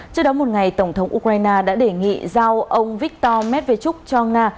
trước đó một ngày tổng thống ukraine đã đề nghị giao ông viktor medvedchuk cho nga